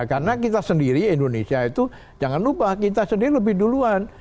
karena kita sendiri indonesia itu jangan lupa kita sendiri lebih duluan